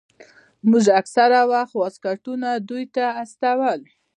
موږ اکثره وخت واسکټونه دوى ته استول.